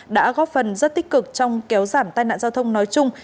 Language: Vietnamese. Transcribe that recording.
đã góp phần rất tích cực trong kéo giảm tai nạn giao thông nói chung